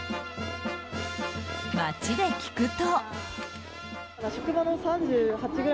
街で聞くと。